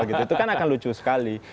itu kan akan lucu sekali